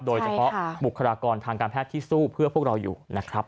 โดยเฉพาะบุคลากรทางการแพทย์ที่สู้เพื่อพวกเราอยู่นะครับ